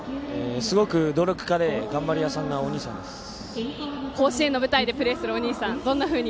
すごく努力家で頑張り屋さんな甲子園の舞台でプレーするお兄さん